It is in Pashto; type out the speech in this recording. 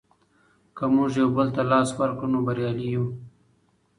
که موږ یو بل ته لاس ورکړو نو بریالي یو.